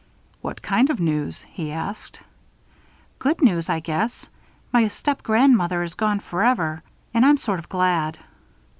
"What kind of news?" he asked. "Good news, I guess. My stepgrandmother is gone forever. And I'm sort of glad."